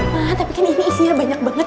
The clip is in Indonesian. nah tapi kan ini isinya banyak banget